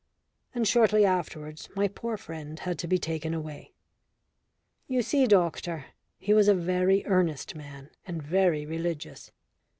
And shortly afterwards my poor friend had to be taken away. You see, doctor, he was a very earnest man, and very religious.